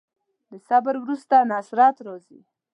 د صبر وروسته نصرت راځي.